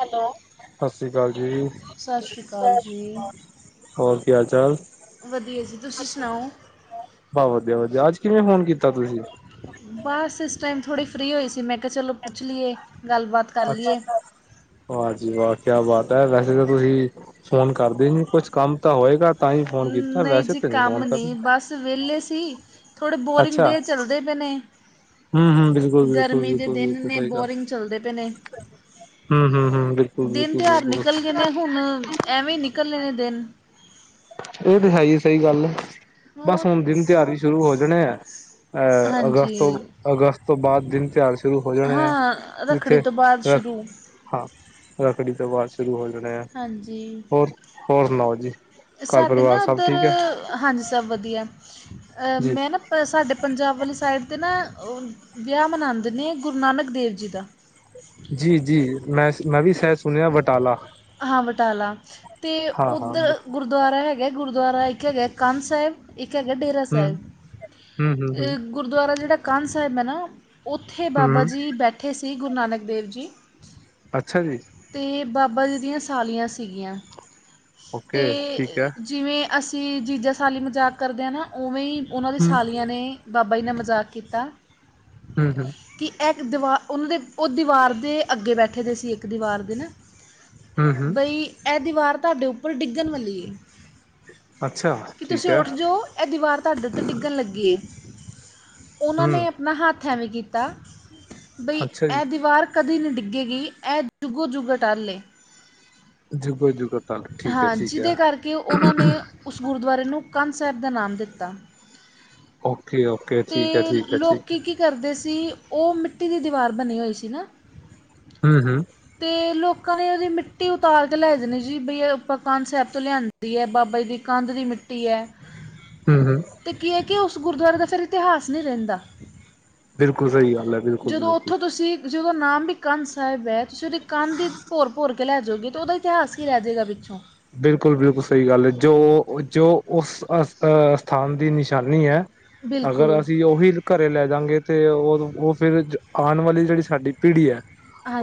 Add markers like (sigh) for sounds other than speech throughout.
Hello, ਸਤਿ ਸ਼੍ਰੀ ਅਕਾਲ ਜੀ। ਸ਼੍ਰੀ ਅਕਾਲ ਸਤਿ ਸ਼੍ਰੀ ਜੀ ਅਕਾਲ। ਹੋਰ ਕਿ ਹਾਲ ਚਾਲ? ਵਧੀਆ ਜੀ ਤੁਸੀਂ ਸੁਣਾਓ ਬਸ ਵਧੀਆ ਵਧੀਆ, ਅੱਜ ਕਿਵੇਂ ਫੋਨ ਕੀਤਾ ਤੁਸੀਂ? ਬਸ ਇਸ ਟਾਈਮ ਥੋੜ੍ਹੀ ਫਰੀ ਹੋਈ ਸੀ। ਮੈਂ ਕਿਹਾ ਚਲੋਂ ਪੁੱਛ ਲਈਏ। ਗੱਲਬਾਤ ਕਰ ਅੱਛਾ। ਲਈਏ ਵਾਹ ਜੀ ਵਾਹ ਕਿਆ ਬਾਤ ਐ, ਵੈਸੇ ਤਾਂ ਤੁਸੀਂ ਫੋਨ ਕਰਦੇ ਨਹੀਂ ਕੁਛ ਕੰਮ ਤਾਂ ਹੋਏਗਾ ਤਾਂ ਹੀ ਫੋਨ ਕੀਤਾ, ਵੈਸੇ ਤਾਂ ਨਹੀਂ ਫੋਨ ਕਰਨ। ਬਸ ਵਿਹਲੇ ਸੀ। ਥੋੜ੍ਹੇ ਬੋਰਿੰਗ ਡੇ ਚੱਲਦੇ ਪਏ ਨੇ। ਹੂੰ ਹੂੰ, ਬਿਲਕੁਲ ਬਿਲਕੁਲ ਗਰਮੀ ਦੇ ਬਿਲਕੁਲ ਦਿਨ ਬਿਲਕੁਲ ਨੇ ਸਹੀ ਗੱਲ ਬੋਰਿੰਗ ਚੱਲਦੇ ਪਏ ਨੇ ਐ, ਹੂੰ ਹੂੰ ਹੂੰ। ਦਿਨ ਤਿਉਹਾਰ ਨਿਕਲ ਗਏ ਨੇ, ਹੁਣ ਐਵੇਂ ਨਿਕਲਣੇ ਨੇ ਦਿਨ। ਇਹ ਤੇ ਹੈ ਹੀ ਸਹੀ ਗੱਲ ਐ, ਬਸ ਹੋਰ ਹੁਣ ਦਿਨ ਤਿਉਹਾਰ ਵੀ ਸ਼ੁਰੂ ਹੋ ਜਾਣੇ ਆ। ਅਹ ਹਾਂਜੀ ਅਗਸਤ ਤੋਂ ਅਗਸਤ ਤੋਂ ਬਾਅਦ ਦਿਨ ਤਿਉਹਾਰ ਸ਼ੁਰੂ ਹੋ ਜਾਣੇ ਆ, ਹਾਂ ਰੱਖੜੀ ਇੱਥੇ ਤੋਂ ਬਾਅਦ ਸ਼ੁਰੂ ਹਾਂ, ਰੱਖੜੀ ਤੋਂ ਬਾਅਦ ਸ਼ੁਰੂ ਹੋ ਜਾਣੇ ਆ, ਹਾਂਜੀ ਹੋਰ ਹੋਰ ਸੁਣਾਓ ਜੀ? ਘਰ ਸਾਡੇ ਪਰਿਵਾਰ ਨਾ ਸਭ ਉੱਧਰ, ਠੀਕ ਹੈ ਹਾਂਜੀ ਸਭ ਵਧੀਆ, ਜੀ ਮੈਂ ਨਾ ਪਰ ਸਾਡੇ ਪੰਜਾਬ ਵਾਲੀ ਸਾਈਡ ਤੇ ਨਾ, ਵਿਆਹ ਮਨਾਉਂਦੇ ਨੇ ਗੁਰੂ ਨਾਨਕ ਦੇਵ ਜੀ ਦਾ। ਜੀ ਜੀ ਮੈਂ ਮੈਂ ਵੀ ਸ਼ਾਇਦ ਸੁਣਿਆ ਬਟਾਲਾ। ਹਾਂ ਬਟਾਲਾ, ਤੇ ਹਾਂ ਹਾਂ ਹਮ ਉੱਧਰ ਗੁਰ ਦੁਆਰਾ ਹੈਗਾ ਐ, ਗੁਰਦੁਆਰਾ ਇੱਕ ਹੈਗਾ ਐ ਕੰਧ ਸਾਹਿਬ। ਇੱਕ ਹੈਗਾ ਡੇਰਾ ਸਾਹਿਬ, ਹਮ ਹਮ ਹਮ ਗੁਰਦੁਆਰਾ ਜਿਹੜਾ ਕੰਧ ਸਾਹਿਬ ਹੈ ਨਾ। ਉੱਥੇ ਬਾਬਾ ਹਮ ਜੀ ਬੈਠੇ ਸੀ, ਗੁਰੂ ਨਾਨਕ ਦੇਵ ਜੀ। ਅੱਛਾ ਜੀ। ਤੇ ਬਾਬਾ ਜੀ ਦੀਆਂ ਸਾਲੀਆਂ ਸੀਗੀਆਂ ਤੇ ਓਕੇ ਠੀਕ ਹੈ ਜਿਵੇਂ ਅਸੀਂ ਜੀਜਾ ਸਾਲੀ ਮਜ਼ਾਕ ਕਰਦੇ ਆ ਨਾ, ਉਵੇਂ ਹੀ ਉਹਨਾਂ ਦੀ ਹਮ ਸਾਲੀਆਂ ਨੇ ਬਾਬਾ ਜੀ ਨਾ ਮਜ਼ਾਕ ਕੀਤਾ। ਹੂੰ ਹੂੰ। ਕਿ ਇੱਕ ਦੀਵਾਰ ਉਹਨਾਂ ਦੇ ਉਹ ਦੀਵਾਰ ਦੇ ਅੱਗੇ ਬੈਠੇ ਦੇ ਸੀ ਇੱਕ ਦੀਵਾਰ ਦੇ ਨਾ। ਹਮ ਹਮ ਬਈ ਇਹ ਦੀਵਾਰ ਤੁਹਾਡੇ ਉੱਪਰ ਡਿੱਗਣ ਵਾਲੀ ਐ। ਅੱਛਾ ਕਿ ਠੀਕ ਤੁਸੀਂ ਹੈ ਉੱਠ ਜਾਓ, ਇਹ ਦੀਵਾਰ ਤੁਹਾਡੇ ਉੱਤੇ ਡਿੱਗਣ ਲੱਗੀ ਐ। ਉਹਨਾਂ ਹਮ ਨੇ ਆਪਣਾ ਹੱਥ ਐਵੇਂ ਕੀਤਾ, ਬਈ ਅੱਛਾ ਜੀ ਇਹ ਦੀਵਾਰ ਕਦੀ ਨਹੀਂ ਡਿੱਗੇਗੀ, ਇਹ ਜੁੱਗੋ ਯੱਗ ਅਟੱਲ ਏ। ਜੁੱਗੋ ਜੁਗ ਅਟੱਲ ਠੀਕ ਐ ਹਾਂ ਠੀਕ ਐ। ਜਿਹਦੇ ਕਰਕੇ ਉਹਨਾਂ ਨੇ ਉਸ ਗੁਰਦੁਆਰੇ ਨੂੰ ਕੰਧ ਸਾਹਿਬ ਦਾ ਨਾਮ ਦਿੱਤਾ। ਓਕੇ ਓਕੇ ਠੀਕ ਐ, ਅਤੇ ਠੀਕ ਐ ਲੋਕ ਠੀਕ ਐ। ਕੀ ਕਰਦੇ ਸੀ, ਉਹ ਮਿੱਟੀ ਦੀ ਦੀਵਾਰ ਬਣੀ ਹੋਈ ਸੀ ਨਾ। ਹੂੰ ਹੂੰ। ਅਤੇ ਲੋਕਾਂ ਨੇ ਉਹਦੀ ਮਿੱਟੀ ਉਤਾਰ ਕੇ ਲੈ ਜਾਂਦੇ ਜੀ, ਬਈ ਆਪ ਕੰਧ ਸਾਹਿਬ ਤੋਂ ਲਿਆ ਦੀ ਐ, ਬਾਬਾ ਜੀ ਦੀ ਕੰਧ ਦੀ ਮਿੱਟੀ ਐ। ਹੂੰ ਹੂੰ। ਤੇ ਕੀ ਐ ਕਿ ਉਸ ਗੁਰਦੁਆਰੇ ਦਾ ਫਿਰ ਇਤਿਹਾਸ ਨਹੀਂ ਰਹਿੰਦਾ। ਬਿਲਕੁਲ ਸਹੀ ਗੱਲ ਐ। ਜਦੋਂ ਉੱਥੋਂ ਤੁਸੀਂ ਜਦੋਂ ਨਾਮ ਵੀ ਕੰਧ ਸਾਹਿਬ ਐ, ਤੁਸੀਂ ਉਹਦੀ ਕੰਧ ਈ ਭੋਰ ਭੋਰ ਕੇ ਲੈ ਜਾਉਗੇ, ਤਾਂ ਉਹਦਾ ਇਤਿਹਾਸ ਹੀ ਰਹਿ ਜਾਵੇਗਾ ਪਿੱਛੋਂ। ਬਿਲਕੁਲ ਬਿਲਕੁਲ ਸਹੀ ਗੱਲ ਐ, ਜੋ ਜੋ ਉਸ ਅ ਅਹ ਸਥਾਨ ਦੀ ਨਿਸ਼ਾਨੀ ਐ। ਅਗਰ ਬਿਲਕੁਲ ਅਸੀਂ ਉਹੀ ਘਰੇ ਲੈ ਜਾਂਗੇ, ਤੇ ਉਹ ਉਹ ਫਿਰ ਆਉਣ ਵਾਲੀ ਜਿਹੜੀ ਸਾਡੀ ਪੀੜ੍ਹੀ ਐ।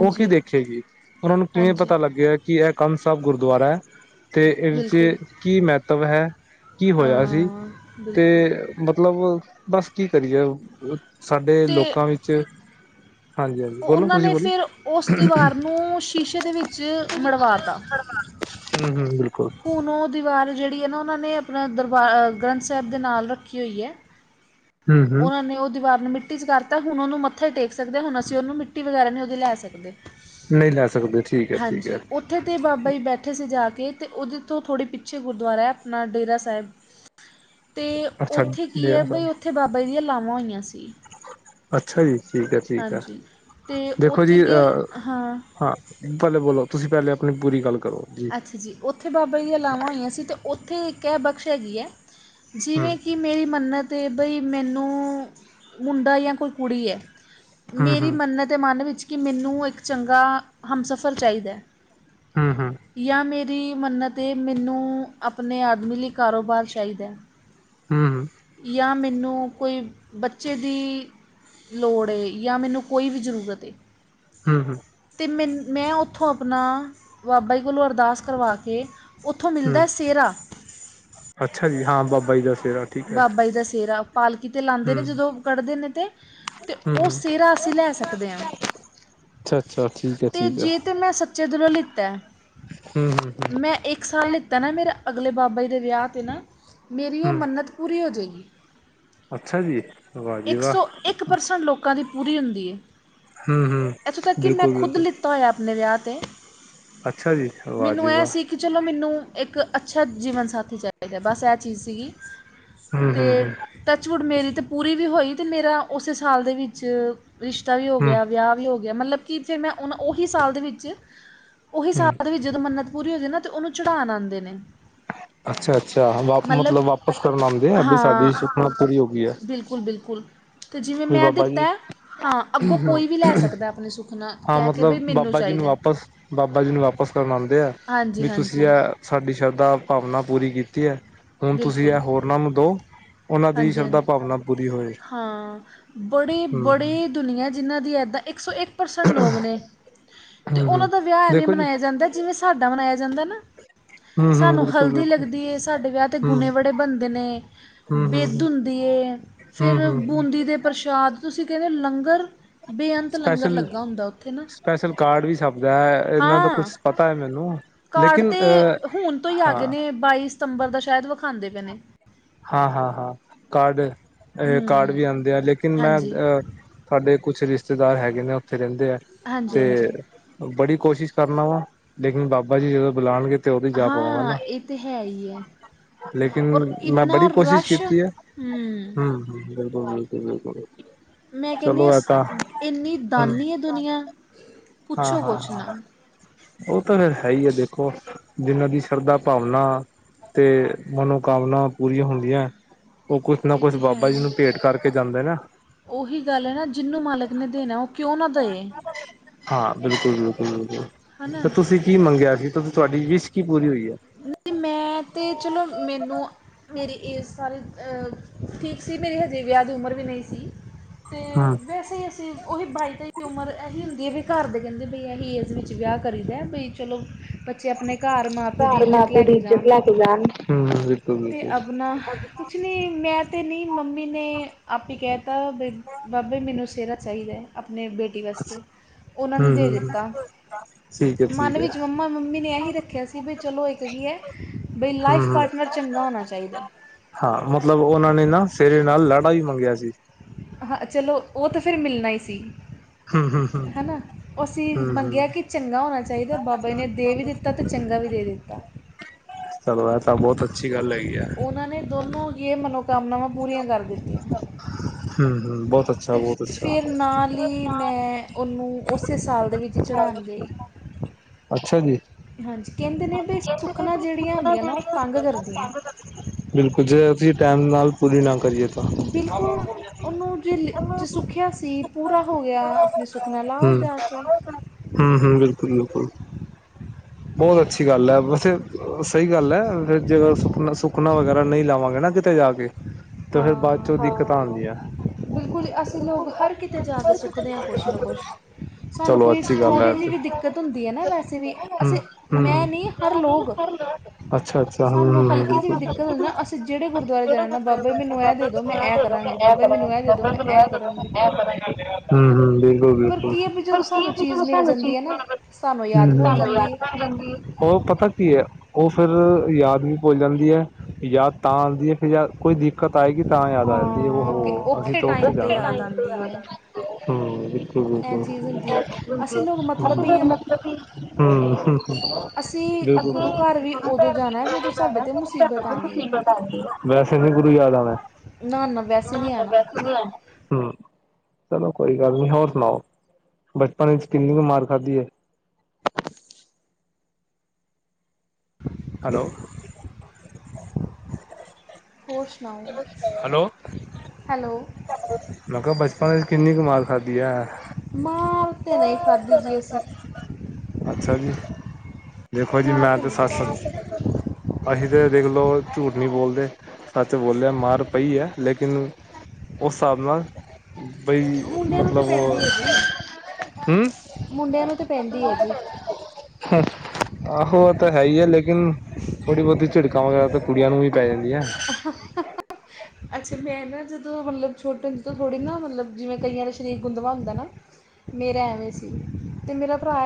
ਉਹ ਕੀ ਦੇਖੇਗੀ, ਉਹਨਾਂ ਨੂੰ ਕਿਵੇਂ ਹਾਂਜੀ ਪਤਾ ਲੱਗਿਆ ਕਿ ਇਹ ਕੰਧ ਸਾਹਿਬ ਗੁਰਦੁਆਰਾ ਐ। ਤੇ ਇਸ ਬਿਲਕੁਲ ਵਿੱਚ ਕੀ ਮਹੱਤਵ ਹੈ, ਕੀ ਹੋਇਆ ਸੀ ਹਾਂ ਤੇ ਬਿਲਕੁਲ ਮਤਲਬ ਬਸ ਕੀ ਕਰੀਏ, ਸਾਡੇ ਤੇ ਲੋਕਾਂ ਵਿੱਚ ਹਾਂਜੀ ਹਾਂਜੀ ਬੋਲੋ ਉਹਨਾਂ ਤੁਸੀਂ ਨੇ ਬੋਲੋ ਫਿਰ, ਉਸ ਦੀਵਾਰ ਨੂੰ ਸ਼ੀਸ਼ੇ ਦੇ ਵਿੱਚ ਮੜਵਾ ਤਾ। ਹੂੰ-ਹੂੰ ਬਿਲਕੁਲ। ਹੁਣ ਉਹ ਦੀਵਾਰ ਜਿਹੜੀ ਹੈ। (unintelligible) ਨਾ ਉਹਨਾਂ ਨੇ ਆਪਣਾ ਦਰਬਾਰ ਗ੍ਰੰਥ ਸਾਹਿਬ ਦੇ ਨਾਲ ਰੱਖੀ ਹੋਈ ਹੈ ਹਮ ਹਮ ਉਨ੍ਹਾਂ ਨੇ ਉਹ ਦੀਵਾਰ ਨੂੰ ਮਿੱਟੀ- ਮਿੱਟੀ 'ਚ ਕਰਤਾ ਹੁਣ ਉਹਨੂੰ ਮੱਥਾ ਟੇਕ ਸਕ ਹੁਣ ਅਸੀ ਉਹਨੂੰ ਮਿੱਟੀ ਵਗੈਰਾ ਨਹੀ ਉਹ ਲੈ ਸਕਦੇ ਨਹੀ ਲੈ ਸਕਦੇ ਠੀਕ ਹੈ। ਠੀਕ ਹੈ। ਉਥੇ ' ਬਾਬਾ ਜੀ ਬੈਠੇ ਸੀ ਜਾ ਕੇ- ਅਤੇ ਉਹਦੇ ਤੋਂ ਥੋੜ੍ਹੇ ਪਿੱਛੇ ਗੁਰਦੁਆਰਾ ਹੈ। ਆਪਣਾ ਡੇਰਾ ਸਾਹਿਬ। ਅਤੇ ਅੱਛਾ ਉਥੇ ਕੀ ਹੈ ਡੇਰਾ ਬਈ ਸਾਹਿਬ ਉਥੇ ਬਾਬਾ ਜੀ ਦੀਆਂ ਲਾਵਾਂ ਹੋਈਆਂ ਸੀ। ਅਛਾ ਜੀ ਠੀਕ ਹੈ। ਠੀਕ ਹੈ। ਹਾਂਜੀ ਅਤੇ ਦੇਖੋ ਉੱਥੇ ਜੀ ਕੀ ਹੈ ਹਾਂ। ਪਲੇ ਬੋਲੋ ਤੁਸੀ ਪਹਿਲੇ ਆਪਣੀ ਪੂਰੀ ਗੱਲ ਕਰੋ ਜੀ ਉਥੇ ਬਾਬਾ ਜੀ ਲਲਾਵਾਂ ਹੋਈਆਂ ਸੀ ਅਤੇ ਉਥੇ ਇਕ ਇਹ ਬਖਸ਼ ਹੈਗੀ ਹੈ। ਹੂੰ ਜਿਵੇ ਕੀ ਮੇਰੀ ਮੰਨਤ ਹੈ ਬਈ ਮੈਨੂੰ ਮੁੰਡਾ ਜਾਂ ਕੋਈ ਕੁੜੀ ਹੈ। ਹੂੰ ਮੇਰੀ ਹੂੰ ਮੰਨਤ ਹੈ। ਮਨ ਵਿਚ ਕਿ ਮੈਨੂੰ ਇਕ ਚੰਗਾ ਹਮਸਫ਼ਰ ਚਾਹੀਦਾ। ਹੂੰ- ਹੂੰ- ਜਾਂ ਮੇਰੀ ਮੰਨਤ ਹੈ ਮੈਨੂੰ ਆਪਣੇ ਆਦਮੀ ਲਈ ਕਾਰੋਬਾਰ ਚਾਹੀਦਾ ਹੂੰ ਜਾਂ ਮੈਨੂੰ ਕੋਈ- ਬੱਚੇ ਦੀ ਲੋੜ ਏ ਜਾਂ ਮੈਨੂੰ ਕੋਈ ਵੀ ਜ਼ਰੂਰਤ ਏ ਹੂੰ- ਹੂੰ - ਅਤੇ ਮੈ ਮੈ ਉਥੋਂ ਆਪਣਾ ਬਾਬਾ ਜੀ ਕੋਲੋ ਅਰਦਾਸ ਕਰਵਾ ਕੇ ਉਥੋ ਮਿਲਦਾ ਸਿਹਰਾ ਅਛਾ ਜੀ ਹਾਂ ਬਾਬਾ ਜੀ ਦਾ ਸਿਹਰਾ ਠੀਕ ਹੈ ਬਾਬਾ ਜੀ ਦਾ ਸਿਹਰਾ ਪਾਲਕੀ ਤੇ ਲਾਉਦੇ ਹੂੰ ਨੇ ਜਦੋ ਕੱਢਦੇ ਨੇ ਤੇ ਤੇ ਹੂੰ ਉਹ ਹੂੰ ਸਿਹਰਾ ਅਸੀ ਲੈ ਸਕਦੇ ਹਾਂ ਅੱਛਾ ਅੱਛਾ ਠੀਕ ਹੈ ਅਤੇ ਠੀਕ ਹੈ ਜੇ ਤਾਂ ਮੈ ਸੱਚੇ ਦੀਲੋਂ ਲਿਤ ਹੂੰ ਹੂੰ ਹੂੰ ਮੈਂ ਇਕ ਸਾਲ ਲਿਤਾ ਨਾ ਮੇਰੇ ਅਗਲੇ ਬਾਬਾ ਜੀ ਦੇ ਵਿਆਹ 'ਤੇ ਨਾ ਮਰੀ ਉਹ ਮੰਨਤ ਪੂਰੀ ਹੋ ਜਾਏਗੀ- ਅਛਾ ਜੀ ਵਾਜੀ ਵਾਹ- ਇਕ ਪਰਸੈਟ ਲੋਕਾਂ ਦੀ ਪੂਰੀ ਹੁਦੀ ਹੈ। ਹੂੰ ਹੂੰ ਇਥੋਂ ਤਕ ਕਿ ਮੈ ਬਿਲਕੁਲ ਖੁਦ ਬਿਲਕੁਲ ਲ ਹੋਇਆ ਆਪਣੇ ਵਿਆਹ ਤੇ ਅੱਛਾ ਜੀ ਵਾਹ ਜੀ ਮੈਨੂੰ ਇਹ ਵਾਹ ਸੀ। ਕਿ ਚਲੋ ਮੈਨੂੰ ਇਕ ਅਛਾ ਜੀਵਨ ਸਾਥੀ ਚਾਹੀਦਾ ਬਸ ਇਹ ਚੀਜ਼ ਸੀਗੀ ਹੂੰ ਹੂੰ ਅਤੇ ਹੂੰ ਟੱਚਵੁੱਡ ਮੇਰੀ ਤਾਂ ਪੂਰੀ ਵੀ ਹੋਈ ਅਤੇ ਮੇਰਾ ਉਸੇ ਸਾਲ ਦੇ ਵਿਚ ਰਿਸ਼ਤਾ ਵੀ ਹੋ ਹੂੰ ਗਿਆ ਵਿਆਹ ਵੀ ਹੋ ਗਿਆ ਮਤਲਬ ਕਿ ਫਿਰ ਮੈਂ ਉਹ ਉਹੀ ਸਾਲ ਦੇ ਵਿਚ ਉਹੀ ਹੂੰ ਸਾਬ ਵਿਚ ਜਦੋ ਮੰਨਤ ਪੂਰੀ ਹੋ ਜਾਦੀ ਨਾ ਤੇ ਉਹਨੂੰ ਚੜਾਨ ਆਉਦੇ ਨੇ ਅੱਛਾ ਅੱਛਾ ਵਾਪ ਮਤਲਬ ਵਾਪਿਸ ਕਰਨ ਆਉਦੇ ਆ ਵੀ ਸਾਡੀ ਹਾਂ ਸੁਖਨਾ ਪੂਰੀ ਹੋ ਗਈ ਹੈ। ਬਿਲਕੁਲ ਬਿਲਕੁਲ ਅਤੇ ਜਿਵੇਂ ਵੀ ਮੈਂ ਬਾਬਾ ਜੀ ਦਿਤਾ ਹਾਂ ਅਗੋਂ ਕੋਈ ਵੀ ਲੈ ਸਕਦਾ ਆਪਣੇ ਸੁੱਖਨਾ ਹਾਂ ਮਤਲਬ ਬਾਬਾ ਜੀ ਨੂੰ ਵਾਪਸ ਬਾਬਾ ਜੀ ਨੂੰ ਵਾਪਸ ਕਰਨ ਆਉਦੇ ਆ ਹਾਂਜੀ ਵੀ ਤੁਸੀ ਹਾਂਜੀ ਇਹ ਸਾਡੀ ਸ਼ਰਧਾ ਭਾਵਨਾ ਪੂਰੀ ਕੀਤੀ ਹੈ। ਹੁਣ ਤੁਸੀ ਬਿਲਕੁਲ ਇਹ ਹੋਰਨਾਂ ਨੂੰ ਦੋ ਉਹਨਾਂ ਦੀ ਹਾਂਜੀ- ਸ਼ਰਧਾ ਹਾਂਜੀ ਭਾਵਨਾ ਪੂਰੀ ਹੋਏ ਹਾਂ ਬੜੇ- ਹਮ ਬੜੇ ਹਮ ਦੁਨੀਆਂ ਜਿਹਨ੍ਹਾਂ ਦੀ ਇਏਦਾਂ ਇਕ ਸੌ ਇਕ ਪਰਸੈਂਟ ਲੋਕ ਨੇ ਤੇ ਹਮ ਉਹਨਾ ਹਮ ਦਾ ਵਿਆਹ ਐਵੇਂ ਦੇਖੋ ਜੀ ਮਨਾਇਆ ਜਾਦਾ ਜਿਵੇ ਸਾਡਾ ਮਨਾਇਆ ਜਾਦਾ ਨਾ ਹਮ ਹਮ ਸਾਨੂੰ ਬਿਲਕੁਲ ਹਲਦੀ ਬਿਲਕੁਲ ਲਗਦੀ ਏ ਸਾਡੇ ਵਿਆਹ ਹਮ ਹਮ ਬਿਦ ਹਮ ਹੁੰਦੀ ਐ, ਹਮ ਫਿਰ ਹਮ ਬੂੰਦੀ ਦੇ ਪ੍ਰਸ਼ਾਦ ਤੁਸੀ ਕਹਿਦੇ ਹੋ ਲੰਗਰ ਬੇਅੰਤ ਲੰਗਰ ਸਪੈਸ਼ਲ ਲੱਗਾ ਹੁੰਦਾ ਉੱਥੇ ਨਾ ਸਪੈਸ਼ਲ ਕਾਰਡ ਵੀ ਛਪਦਾ ਹੈ। ਇਹਨਾਂ ਦਾ ਹਾਂ ਕੁਛ ਪਤਾ ਹੈ। ਮੈਨੂੰ ਕਾਰਡ ਲੇਕਿਨ ਤੇ ਅ ਹੁਣ ਤੋਂ ਹੀ ਆ ਗਏ ਹਾਂ ਨੇ ਬਾਈ ਸਤੰਬਰ ਦਾ ਸ਼ਾਇਦ ਵਿਖਾਉਦੇ ਪਏ ਨੇ ਹਾਂ- ਹਾਂ- ਹਾਂ ਕਾਰਡ ਕਾਰਡ ਹੂੰ ਵੀ ਆਉਦੇ ਆ ਲੇਕਿਨ ਮੈ ਹਾਂਜੀ ਅ ਸਾਡੇ ਕੁਛ ਰਿਸ਼ਤੇਦਾਰ ਹੈਗੇ ਨੇ ਉਥੇ ਰਹਿਦੇ ਆ ਹਾਂਜੀ ਹਾਂਜੀ ਤੇ- ਬੜੀ ਕੋਸ਼ਿਸ਼ ਕਰਨਾ ਵਾ ਲੇਕਿਨ ਬਾਬਾ ਜੀ ਜਦੋ ਬੁਲਾਉਣਗੇ ਤੇ ਉਦੋਂ ਹੀ ਜਾ ਪਾਵਾਂਗਾ ਹਾਂ ਨਾ ਇਹ ਤਾਂ ਹੈ ਹੀ ਹੈ ਲੇਕਿਨ ਔਰ ਮੈਂ ਇੰਨਾ ਬੜੀ ਕੋਸ਼ਿਸ਼ ਰਸ਼ ਕੀਤੀ ਹੈ। ਹੂੰ ਹਮ ਹ ਬਿਲਕੁਲ- ਬਿਲਕੁਲ- ਬਿਲਕੁਲ ਮੈਂ ਕਹਿੰਦੀਆ ਇਨੀ ਦਾਨੀ ਹੈ। ਦੁਨੀਆਂ- ਹਾਂ ਹਾਂ ਹਾਂ ਉਹ ਤਾਂ ਫੇਰ ਹੈ ਹੀ ਆ ਦੇਖੋ ਜਿੰਹਨਾਂ ਦੀ ਸ਼ਰਧਾ ਭਾਵਨਾ ਤੇ ਮਨੋਕਾਮਨਾ ਪੂਰੀਆਂ ਹੁੰਦੀਆਂ। ਉਹ ਕੁਛ ਨਾ ਇਹ ਕੁਛ ਤੇ ਹੈ ਬਾਬਾ ਜੀ ਹੀ ਨੂੰ ਭੇਟ ਕਰਕੇ ਜਾਂਦੇ ਨਾ ਉਹੀ ਗੱਲ ਹੈ ਨਾ ਜਿਹਨੂੰ ਮਾਲਕ ਨੇ ਦੇਣਾ ਉਹ ਕਿਉਂ ਨਾ ਦੇਵੇ ਹਾਂ ਬਿਲਕੁਲ, ਬਿਲਕੁਲ ਹੈ ਬਿਲਕੁਲ ਨਾ ਤੇ ਤੁਸੀਂ ਕੀ ਮੰਗਿਆ ਸੀ ਤੁਸੀ ਤੁਹਾਡੀ ਵਿਸ਼ ਕੀ ਪੂਰੀ ਹੋਈ ਹੈ। ਨਹੀਂ ਮੈਂ ਤੇ ਚਲੋ, ਮੈਨੂੰ ਮੇਰੀ ਏਜ ਹਜੇ ਠੀਕ ਸੀ ਮੇਰੀ ਹਜੇ ਵਿਆਹ ਦੀ ਉਮਰ ਵੀ ਨਹੀਂ ਸੀ। ਅਤੇ ਹਮ ਵੈਸੇ ਹੀ ਅਸੀਂ ਉਹੀ ਬਾਈ ਤੇਈ ਦੀ ਉਮਰ ਇਹੋ ਜਿਹੀ ਹੁੰਦੀ ਹ ਘਰ ਦੇ ਕਹਿੰਦੇ ਇਹੀ ਏਜ ਵਿੱਚ ਵਿਆਹ ਕਰੀਦਾ ਬਈ ਚਲੋ। ਬੱਚੇ ਆਪਣੇ ਘਰ ਮਾਂ ਪਿਓ ਦੀ ਇੱਜ਼ਤ। ਲੈ ਪੂਰੀ ਕੇ ਇੱਜਤ ਜਾਣ ਲੈ ਕੇ ਜਾਣਗੇ ਬਿਲਕੁਲ ਬਿਲਕੁਲ। ਨਾ ਕੁਛ ਨਹੀਂ ਮੈਂ ਤਾਂ ਨਹੀਂ ਮੰਮੀ ਨੇ ਆਪੇ ਕਹਿ ਦਿੱਤਾ ਵੀ ਬਾਬੇ ਮੈਨੂੰ ਸਿਹਰਾ ਚਾਹੀਦਾ ਆਪਣੇ ਬੇਟੀ ਵਾਸਤੇ ਉਹਨਾਂ ਨੇ ਹਮ ਦੇ ਹਮ ਦਿੱਤਾ। ਠੀਕ ਹੈ ਮਨ ਠੀਕ ਹੈ ਵਿੱਚ ਮੰਮਾ ਮੰਮੀ ਨੇ ਇਹੀ ਰੱਖਿਆ ਸੀ ਵੀ ਚਲੋ ਇੱਕ। ਕੀ ਹੈ ਬਈ ਲਾਈਫ ਹਮ ਹਮ ਪਾਰਟਨਰ ਚੰਗਾ ਹੋਣਾ ਚਾਹੀਦਾ। ਹਾਂ ਮਤਲਬ ਉਹਨਾਂ ਨੇ ਨਾ ਸਿਹਰੇ ਨਾਲ ਲਾੜਾ ਵੀ ਮੰਗਿਆ ਸੀ। ਹਾਂ ਚਲੋ, ਉਹ ਤਾਂ ਫਿਰ ਮਿਲਣਾ ਹੀ ਸੀ। ਹਮ ਹਮ ਹਮ ਹਨਾ ਅਸੀਂ ਹਮ ਮੰਗਿਆ ਹਮ ਕਿ ਚੰਗਾ ਹੋਣਾ ਚਾਹੀਦਾ ਬਾਬਾ ਜੀ ਨੇ ਦੇ ਵੀ ਦਿੱਤਾ ਅਤੇ ਚੰਗਾ ਵੀ ਦੇ ਦਿੱਤਾ। ਚਲੋ ਇਹ ਤਾਂ ਬਹੁਤ ਅੱਛੀ ਗੱਲ ਹੈਗੀ ਆ। ਉਹਨਾਂ ਨੇ ਦੋਨੋਂ ਇਹ ਮਨੋਕਾਮਨਾਵਾਂ ਪੂਰੀਆਂ ਕਰ ਦਿੱਤੀਆਂ। ਹਮ ਹਮ ਬਹੁਤ ਅੱਛਾ ਅਤੇ ਬਹੁਤ ਅੱਛਾ ਫਿਰ ਨਾਲ ਹੀ ਮੈਂ ਉਹਨੂੰ ਉਸੇ ਸਾਲ ਦੇ ਵਿੱਚ ਚੜ੍ਹਾਉਣ ਗਈ ਅੱਛਾ ਜੀ ਹਾਂਜੀ ਕਹਿੰਦੇ ਨੇ ਵੀ ਸੁੱਖਨਾ ਜਿਹੜੀਆਂ ਹੁੰਦੀਆਂ ਨਾ ਉਹ ਤੰਗ ਕਰਦੀਆਂ। ਬਿਲਕੁਲ ਜੇ ਅਸੀਂ ਟਾਈਮ ਨਾਲ ਪੂਰੀ ਨਾ ਕਰੀਏ ਤਾਂ। ਬਿਲਕੁਲ ਉਹਨੂੰ ਜੇ ਜ ਹੂੰ, ਸੁੱਖਿਆ ਸੀ ਪੂਰਾ ਹੋ ਗਿਆ। ਵੀ ਸੁਖਨਾ ਲਾ ਆਓ ਜਾ ਕੇ। ਹਾਂ ਹਾਂ ਬਿਲਕੁਲ ਬਿਲਕੁਲ। ਬਹੁਤ ਅੱਛੀ ਗੱਲ ਹੈ, ਵੈਸੇ ਸਹੀ ਗੱਲ ਹੈ ਜੇਰ ਸੁਖਨਾ ਸੁਖਨਾ ਵਗੈਰਾ ਨਹੀਂ ਲਾਵਾਂਗੇ ਨਾ। ਉਤੇ ਜਾ ਕੇ ਤੇ ਫੇਰ ਬਾਅਦ ਚੋਂ ਹਾਂ ਦਿੱਕਤਾਂ ਆਉਂਦੀ ਹੈ। ਬਿਲਕੁਲ ਜੀ ਅਸੀਂ ਲੋਕ ਹਰ ਕਿਤੇ ਜਾ ਕੇ ਸੁਖਦੇ ਹਾਂ ਕੁਛ ਨਾ ਕੁਛ। ਸਾਨੂੰ ਚਲੋ ਕੋਈ ਅੱਛੀ ਗੱਲ ਹੈ ਥੋੜ੍ਹੀ ਜਿਹੀ ਤੇ ਵੀ ਦਿੱਕਤ ਹੁੰਦੀ ਹੈ ਨਾ ਵੈਸੇ ਵੀ ਹਮ ਅਸੀਂ ਹਮ ਹਮ ਮੈਂ ਨਹੀਂ ਹਰ ਲੋਕ। ਅੱਛਾ ਅੱਛਾ ਹਮ ਹਮ ਸਾਨੂੰ ਹਮ ਹਲਕੀ ਜਿਹੀ ਬਿਲਕੁਲ ਵੀ ਦਿੱਕਤ ਹੋ ਜਾਏ ਨਾ। ਅਸੀਂ ਜਿਹੜੇ ਗੁਰਦੁਆਰੇ ਜਾਣਾ ਬਾਬਾ ਬਾਬਾ ਜੀ ਮੈਨੂੰ ਇਹਂ ਦੇ ਦਿਓ ਮੈਂ ਇਹਂ ਕਰਾਂਗੀ ਬਾਬਾ ਬੰਦਾ ਮੈਨੂੰ ਇਹ ਦੇ ਦਿਉ ਹਮ ਮੈਂ ਇਹ ਕਰਾਂਗੀ। ਹਮ ਹ ਬਿਲਕੁਲ ਪਰ ਬਿਲਕੁਲ ਕੀ ਹੈ ਵੀ ਪਰ ਜਦੋਂ ਕੀ ਸਾਨੂੰ ਚੀਜ਼ ਮਿਲ ਜਾਂਦੀ ਹੈ ਹ ਨਾ ਸਾਨੂੰ ਯਾਦ ਭੁੱਲ ਜਾਂਦੀ (inaudible) ਹੈ ਉਹ ਪਤਾ ਕੀ ਹੈ ਉਹ ਫਿਰ ਯਾਦ ਨਹੀਂ ਭੁੱਲ ਜਾਂਦੀ ਹੈ। ਯਾਦ ਤਾਂ ਆਉਂਦੀ ਏ ਫੇਰ ਯਦ ਕੋਈ ਦਿੱਕਤ ਆਏਗੀ ਤਾਂ ਯਾਦ ਆ ਜਾਂਦੀ ਹੈ ਉਹ ਹਾਂ ਕਿ ਹੋ ਅਸੀਂ ਔਖੇ ਤਾਂ ਉੱਥੇ ਟਾਈਮ 'ਤੇ ਜਾਣਾ ਯਾਦ ਸੀ। ਆਉਂਦੀ ਹੈ ਇਹ ਚੀਜ਼ ਹੁੰਦੀ ਹੈ ਅਸੀਂ ਲੋਕ ਹਮਖ ਮਤਲਬੀ ਹਾਂ ਹਮ (inaudible) ਠਕ ਅਸੀਂ ਗੁਰੂ ਘਰ ਵੀ ਉਦੋਂ ਜਾਣਾ ਜਦੋਂ ਸਾਡੇ 'ਤੇ ਮੁਸੀਬਤ ਆਉਣੀ ਹੈ ਵੈਸੇ ਨੀ ਗੁਰੂ ਯਾਦ ਆਉਣਾ ਨਾ ਨਾ ਵੈਸੇ ਨਹੀਂ ਆਉਣਾ ਹਮ (inaudible) ਚਲੋ ਕੋਈ ਗੱਲ ਨੀ ਹੋਰ ਸੁਣਾਓ, ਬਚਪਨ ਵਿੱਚ ਕਿੰਨੀ ਕੁ ਮਾਰ ਖਾਧੀ ਹੈ। ਹੈਲੋ। ਹੋਰ ਸੁਣਾਓ, ਹੈਲੋ ਹੈਲੋ। ਮੈਂ ਕਿਹਾ ਬਚਪਨ ਵਿੱਚ ਕਿੰਨੀ ਕੁ ਮਾਰ ਖਾਧੀ ਹੈ। ਮਾਰ ਤੇ ਨਹੀਂ ਖਾਧੀ ਜੀ ਅਸੀਂ। ਖਾਧੀ। ਅੱਛਾ ਜੀ। ਦੇਖੋ ਜੀ ਮਾਰ ਮੈਂ ਤਾਂ ਤੇ ਨਹੀਂ ਸੱਚ-ਸੱਚ ਪੈਂਦੀ ਅਸੀਂ ਤਾਂ ਦੇਖ ਲਓ ਝੂਠ ਨਹੀਂ ਬੋਲਦੇ ਸੱਚ ਬੋਲਿਆ ਮਾਰ ਪਈ ਐ। ਲੇਕਿਨ, ਉਸ ਹਿਸਾਬ ਨਾਲ ਬਈ ਮੁੰਡਿਆਂ ਨੂੰ ਤਾਂ ਮਤਲਬ, ਪੈਂਦੀ ਹੈ ਜੀ ਹੂੰ ਮੁੰਡਿਆਂ ਨੂੰ ਤਾਂ ਪੈਂਦੀ ਐ ਜੀ। ਆਹੋ ਉਹ ਤਾਂ ਹੈ ਹੀ ਐ ਲੇਕਿਨ ਥੋੜ੍ਹੀ ਬਹੁਤੀ ਝਿੜਕਾਂ ਵਗੈਰਾ ਕੁੜੀਆਂ ਨੂੰ ਵੀ ਪੈ ਜਾਂਦੀ ਆ। (unintelligible) ਅੱਛਾ, ਮੈਂ ਨਾ ਜਦੋਂ ਮਤਲਬ ਛੋਟੇ ਹੁੰਦੇ ਤੋਂ ਥੋੜ੍ਹੀ ਨਾ ਮਤਲਬ ਜਿਵੇਂ ਕਈਆਂ ਦਾ ਸਰੀਰ ਗੁੰਦਮ ਹੁੰਦਾ ਨਾ। ਮੇਰਾ ਐਵੇਂ ਸੀ, ਤੇ ਮੇਰਾ ਭਰਾ